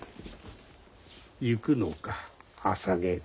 行くのか朝稽古。